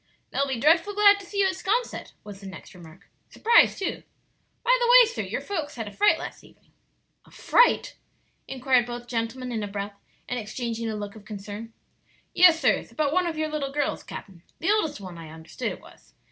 "They'll be dreadful glad to see you at 'Sconset," was the next remark; "surprised, too. By the way, sir, your folks had a fright last evening." "A fright?" inquired both gentlemen in a breath, and exchanging a look of concern. "Yes, sirs; about one of your little girls, capt'n the oldest one, I understood it was.